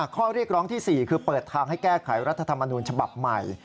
ข้อเรียกร้องที่๔คือเปิดทางให้แก้ไขรัฐธรรมนูญฉบับใหม่